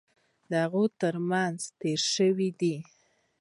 هغه ترمېنځ تېر شوی دی.